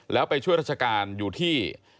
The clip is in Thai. แล้วไปช่วยราชการอยู่ที่